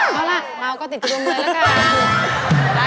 เอาล่ะเราก็ติดลมเลยละกัน